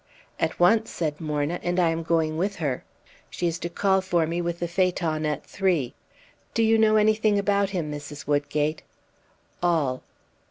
"At once," said Morna, "and I am going with her. She is to call for me with the phaeton at three." "Do you know anything about him, Mrs. Woodgate?" "All."